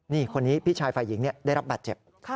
นี่คนนี้พี่ชายฝ่ายหญิงได้รับบาดเจ็บ